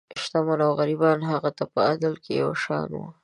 شتمن او غریبان هغه ته په عدل کې یو شان وو.